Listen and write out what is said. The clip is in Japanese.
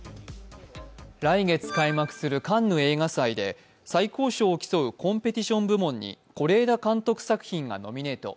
来月開幕するカンヌ映画祭で最高賞を競うコンペティション部門に是枝監督作品がノミネート。